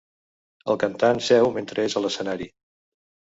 El cantant seu mentre és a l'escenari.